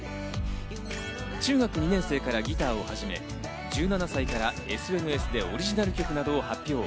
中学２年生からギターを始め、１７歳からＳＮＳでオリジナル曲などを発表。